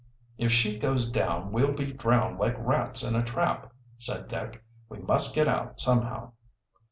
"If she goes down, we'll be drowned like rats in a trap," said Dick. "We must get out somehow."